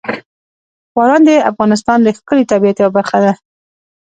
باران د افغانستان د ښکلي طبیعت یوه برخه ده.